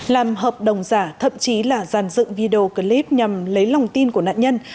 làm hợp đồng giả thậm chí là giàn dựng video clip nhằm lấy lòng tin của nạn nhân